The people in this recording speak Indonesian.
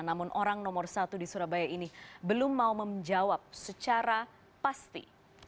namun orang nomor satu di surabaya ini belum mau menjawab secara pasti